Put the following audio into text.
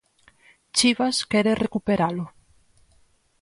Chivas quere recuperalo.